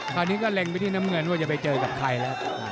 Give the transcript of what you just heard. คราวนี้ก็เล็งไปที่น้ำเงินว่าจะไปเจอกับใครแล้ว